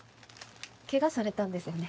ケガされたんですよね？